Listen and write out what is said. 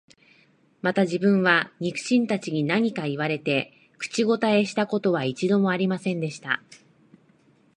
また自分は、肉親たちに何か言われて、口応えした事は一度も有りませんでした